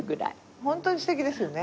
ホントにすてきですよね。